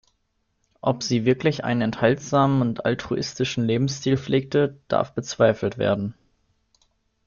Ob sie wirklich einen enthaltsamen und altruistischen Lebensstil pflegte, darf bezweifelt werden.